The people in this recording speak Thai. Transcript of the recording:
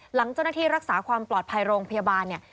หลังเจ้าหน้าที่รักษาความปลอดภัยโรงพยาบาลเนี่ย